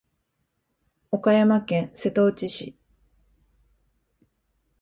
岡山県瀬戸内市